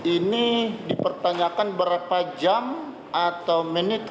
ini dipertanyakan berapa jam atau menit